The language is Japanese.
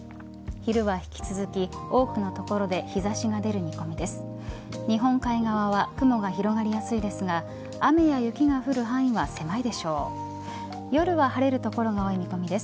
昼は引き続き、多くの所で日差しが出る見込みです。